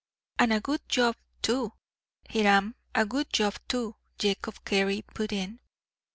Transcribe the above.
"And a good job too, Hiram a good job too," Jacob Carey put in.